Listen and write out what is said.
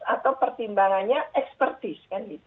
atau pertimbangannya ekspertis